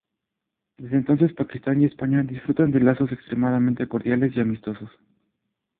Desde entonces Pakistán y España disfrutan de lazos extremadamente cordiales y amistosos.